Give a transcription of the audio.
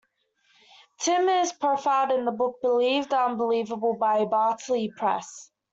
Tim is profiled in the book "Believe the Unbelievable" by Bartley Press.